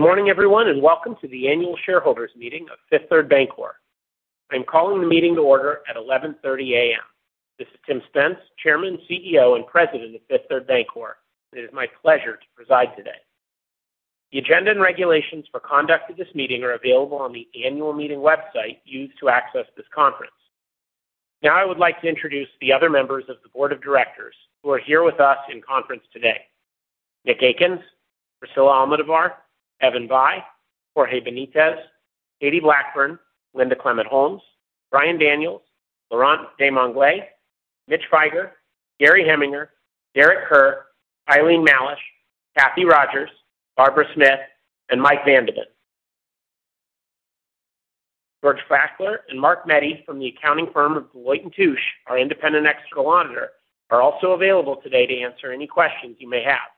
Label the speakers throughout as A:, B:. A: Good morning, everyone, and welcome to the Annual Shareholders Meeting of Fifth Third Bancorp. I'm calling the meeting to order at 11:30 A.M. This is Tim Spence, Chairman, CEO, and President of Fifth Third Bancorp, and it is my pleasure to preside today. The agenda and regulations for conduct of this meeting are available on the annual meeting website used to access this conference. Now I would like to introduce the other members of the board of directors who are here with us in conference today- Nick Akins, Priscilla Almodovar, Evan Bayh, Jorge Benitez, Katie Blackburn, Linda Clement Holmes, Brian Daniels, Laurent Desmangles, Mitch Feiger, Gary Heminger, Derek Kerr, Eileen Mallesch, Kathy Rogers, Barbara Smith, and Mike Van de Ven. George Fackler and [Mark Mehdi] from the accounting firm of Deloitte & Touche, our independent external auditor, are also available today to answer any questions you may have.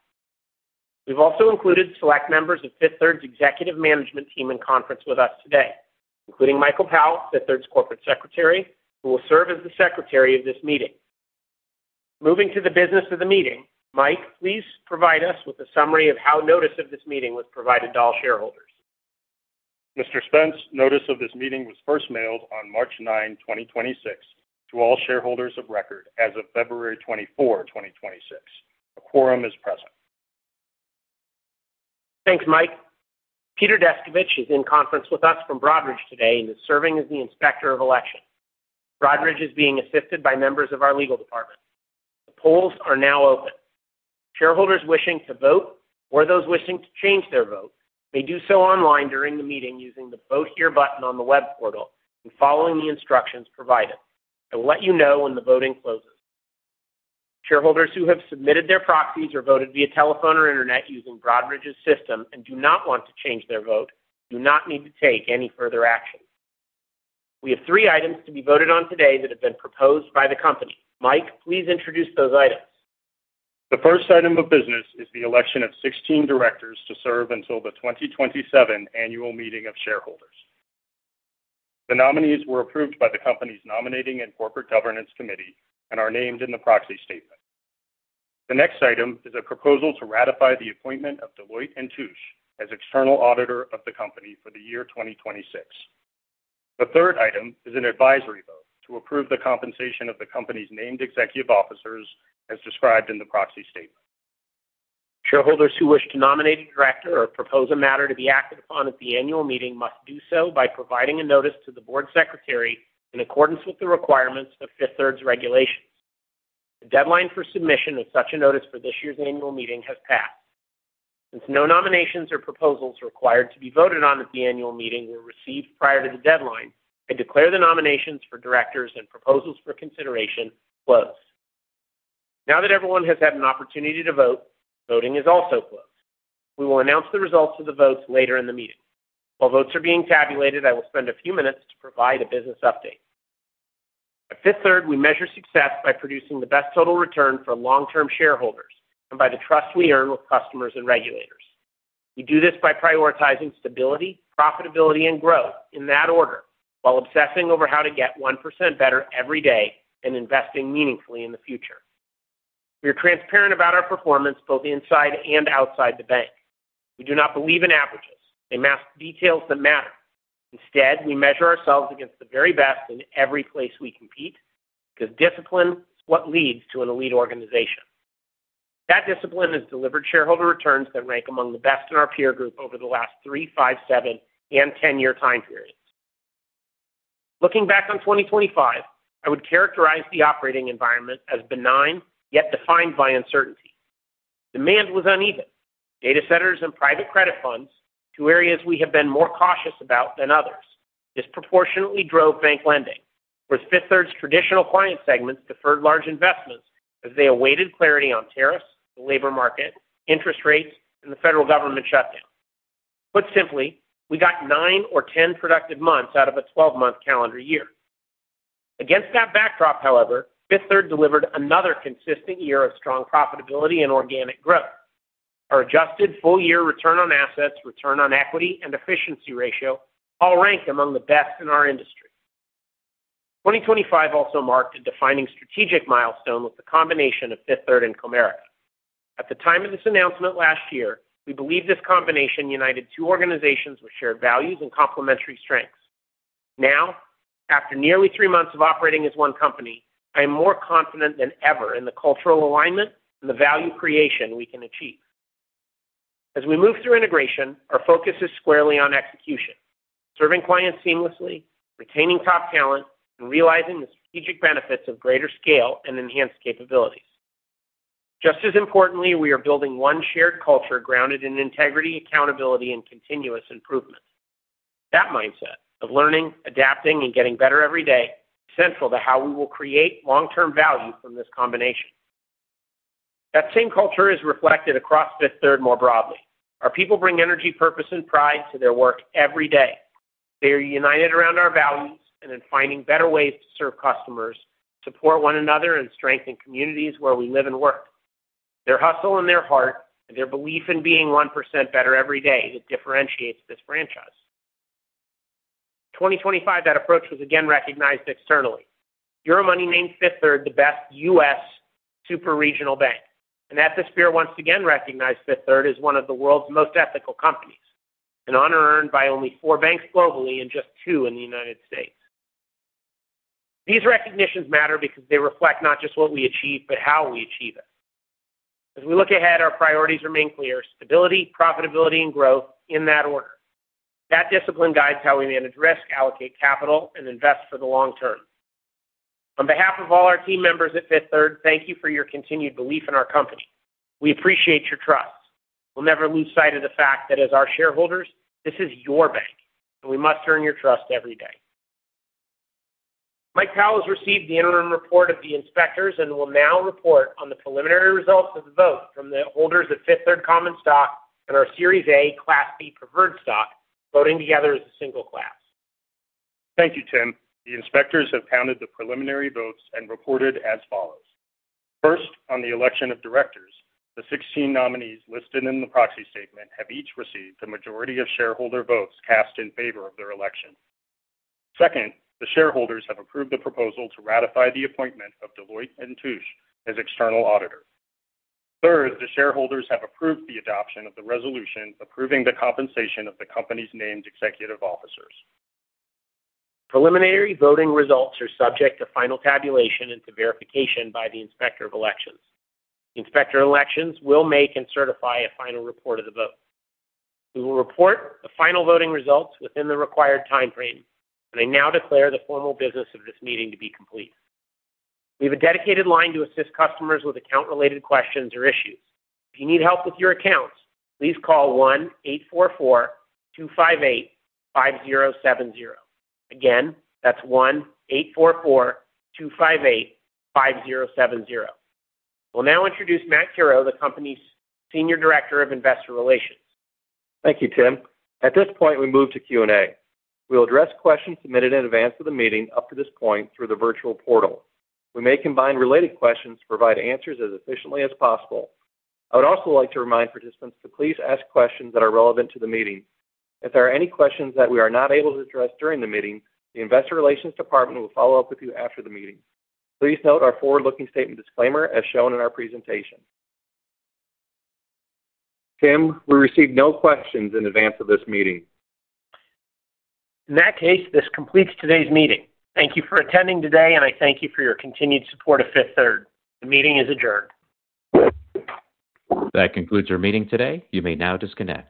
A: We've also included select members of Fifth Third's Executive Management team in conference with us today, including Michael Powell, Fifth Third's Corporate Secretary, who will serve as the secretary of this meeting. Moving to the business of the meeting, Mike, please provide us with a summary of how notice of this meeting was provided to all shareholders.
B: Mr. Spence, notice of this meeting was first mailed on March 9, 2026, to all shareholders of record as of February 24, 2026. A quorum is present.
A: Thanks, Mike. Peter Descovich is in conference with us from Broadridge today and is serving as the Inspector of Election. Broadridge is being assisted by members of our legal department. The polls are now open. Shareholders wishing to vote or those wishing to change their vote may do so online during the meeting using the Vote Here button on the web portal and following the instructions provided. I will let you know when the voting closes. Shareholders who have submitted their proxies or voted via telephone or internet using Broadridge's system and do not want to change their vote do not need to take any further action. We have three items to be voted on today that have been proposed by the company. Mike, please introduce those items.
B: The first item of business is the election of 16 Directors to serve until the 2027 annual meeting of shareholders. The nominees were approved by the company's Nominating and Corporate Governance Committee and are named in the proxy statement. The next item is a proposal to ratify the appointment of Deloitte & Touche as external auditor of the company for the year 2026. The third item is an advisory vote to approve the compensation of the company's named Executive Officers as described in the proxy statement.
A: Shareholders who wish to nominate a director or propose a matter to be acted upon at the annual meeting must do so by providing a notice to the board secretary in accordance with the requirements of Fifth Third's regulations. The deadline for submission of such a notice for this year's annual meeting has passed. Since no nominations or proposals required to be voted on at the annual meeting were received prior to the deadline, I declare the nominations for Directors and proposals for consideration closed. Now that everyone has had an opportunity to vote, voting is also closed. We will announce the results of the votes later in the meeting. While votes are being tabulated, I will spend a few minutes to provide a business update. At Fifth Third, we measure success by producing the best total return for long-term shareholders and by the trust we earn with customers and regulators. We do this by prioritizing stability, profitability, and growth in that order, while obsessing over how to get 1% better every day and investing meaningfully in the future. We are transparent about our performance both inside and outside the bank. We do not believe in averages. They mask details that matter. Instead, we measure ourselves against the very best in every place we compete, because discipline is what leads to an elite organization. That discipline has delivered shareholder returns that rank among the best in our peer group over the last three, five, seven, and 10-year time periods. Looking back on 2025, I would characterize the operating environment as benign, yet defined by uncertainty. Demand was uneven. Data centers and private credit funds, two areas we have been more cautious about than others, disproportionately drove bank lending, whereas Fifth Third's traditional client segments deferred large investments as they awaited clarity on tariffs, the labor market, interest rates, and the federal government shutdown. Put simply, we got nine or 10 productive months out of a 12-month calendar year. Against that backdrop, however, Fifth Third delivered another consistent year of strong profitability and organic growth. Our adjusted full-year return on assets, return on equity, and efficiency ratio all rank among the best in our industry. 2025 also marked a defining strategic milestone with the combination of Fifth Third and Comerica. At the time of this announcement last year, we believed this combination united two organizations with shared values and complementary strengths. Now, after nearly three months of operating as one company, I am more confident than ever in the cultural alignment and the value creation we can achieve. As we move through integration, our focus is squarely on execution, serving clients seamlessly, retaining top talent, and realizing the strategic benefits of greater scale and enhanced capabilities. Just as importantly, we are building one shared culture grounded in integrity, accountability, and continuous improvement. That mindset of learning, adapting, and getting better every day is central to how we will create long-term value from this combination. That same culture is reflected across Fifth Third more broadly. Our people bring energy, purpose, and pride to their work every day. They are united around our values and in finding better ways to serve customers, support one another, and strengthen communities where we live and work. Their hustle and their heart and their belief in being 1% better every day is what differentiates this franchise. In 2025, that approach was again recognized externally. Euromoney named Fifth Third the best U.S. super-regional bank. Ethisphere once again recognized Fifth Third as one of the world's most ethical companies, an honor earned by only four banks globally and just two in the United States. These recognitions matter because they reflect not just what we achieve, but how we achieve it. As we look ahead, our priorities remain clear, stability, profitability, and growth, in that order. That discipline guides how we manage risk, allocate capital, and invest for the long term. On behalf of all our team members at Fifth Third, thank you for your continued belief in our company. We appreciate your trust. We'll never lose sight of the fact that as our shareholders, this is your bank, and we must earn your trust every day. Mike Powell has received the interim report of the inspectors and will now report on the preliminary results of the vote from the holders of Fifth Third Common Stock and our Series A, Class B Preferred Stock, voting together as a single class.
B: Thank you, Tim. The inspectors have counted the preliminary votes and reported as follows. First, on the election of Directors, the 16 nominees listed in the proxy statement have each received the majority of shareholder votes cast in favor of their election. Second, the shareholders have approved the proposal to ratify the appointment of Deloitte & Touche as external auditor. Third, the shareholders have approved the adoption of the resolution approving the compensation of the company's named Executive Officers.
A: Preliminary voting results are subject to final tabulation and to verification by the Inspector of Elections. The Inspector of Elections will make and certify a final report of the vote. We will report the final voting results within the required timeframe, and I now declare the formal business of this meeting to be complete. We have a dedicated line to assist customers with account-related questions or issues. If you need help with your accounts, please call 1-844-258-5070. Again, that's 1-844-258-5070. We'll now introduce Matt Curoe, the company's Senior Director of Investor Relations.
C: Thank you, Tim. At this point, we move to Q&A. We will address questions submitted in advance of the meeting up to this point through the virtual portal. We may combine related questions to provide answers as efficiently as possible. I would also like to remind participants to please ask questions that are relevant to the meeting. If there are any questions that we are not able to address during the meeting, the investor relations department will follow up with you after the meeting. Please note our forward-looking statement disclaimer as shown in our presentation. Tim, we received no questions in advance of this meeting.
A: In that case, this completes today's meeting. Thank you for attending today, and I thank you for your continued support of Fifth Third. The meeting is adjourned.
D: That concludes our meeting today. You may now disconnect.